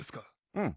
うん。